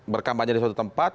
berkampanye di suatu tempat